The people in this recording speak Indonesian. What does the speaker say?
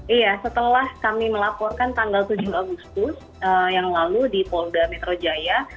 iya setelah kami melaporkan tanggal tujuh agustus yang lalu di polda metro jaya